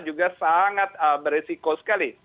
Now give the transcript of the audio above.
juga sangat beresiko sekali